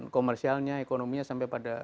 komersialnya ekonominya sampai pada